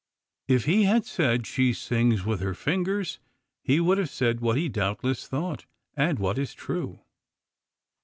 If he had said she sings with her fingers he would have said what he doubtless thought, and what is true.